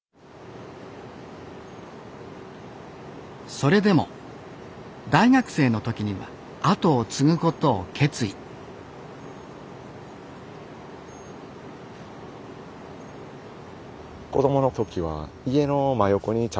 それでも大学生の時には後を継ぐことを決意子どもの時は家の真横に茶